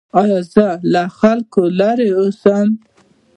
ایا زه له خلکو لرې اوسم؟